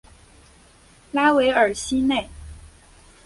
拉韦尔西内。